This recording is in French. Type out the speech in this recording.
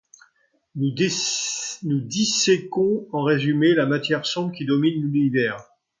Nous disséquons, en résumé, la matière sombre qui domine l'univers.